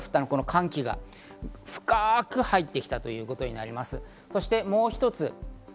この寒気が深く入ってきたということになります。